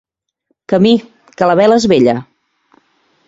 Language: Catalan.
Camí, que la vela és vella.